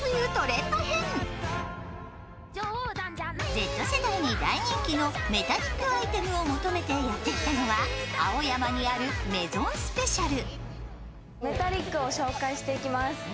Ｚ世代に大人気のメタリックアイテムを求めてやってきたのは青山にあるＭＡＩＳＯＮＳＰＥＣＩＡＬ。